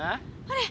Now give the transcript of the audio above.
あれ。